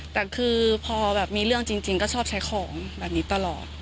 แต่คือพอแบบมีเรื่องจริงก็ชอบใช้ของแบบนี้ตลอด